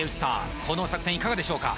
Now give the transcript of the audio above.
この作戦いかがでしょうか？